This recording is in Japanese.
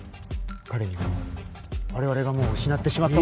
彼には我々がもう失ってしまったものを。